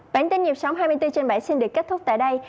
bản tin nhịp sống hai mươi bốn trên bảy xin được kết thúc tại đây